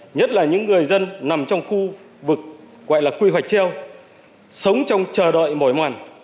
nhất là những người dân nằm trong khu vực gọi là quy hoạch treo sống trong chờ đợi mỏi mòn